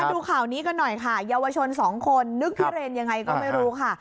ดูข่าวนี้กันหน่อยค่ะเยาวชนสองคนนึกพิเรนยังไงก็ไม่รู้ค่ะ